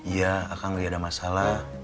iya akang nggak ada masalah